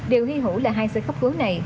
điều hy hữu là hai xe cắp cứu này